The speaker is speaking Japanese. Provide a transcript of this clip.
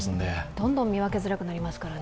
どんどん見分けづらくなりますからね。